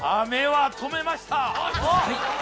雨は止めました！